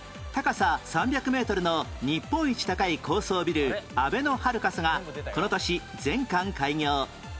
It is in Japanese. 高さ３００メートルの日本一高い高層ビルあべのハルカスがこの年全館開業